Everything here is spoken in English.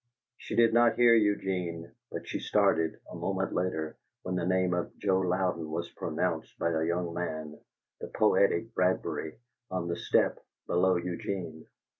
She did not hear Eugene, but she started, a moment later, when the name "Joe Louden" was pronounced by a young man, the poetic Bradbury, on the step below Eugene.